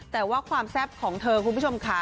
แต่ว่าความแซ่บของเธอคุณผู้ชมค่ะ